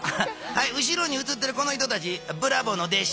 後ろにうつってるこの人たちブラボーの弟子。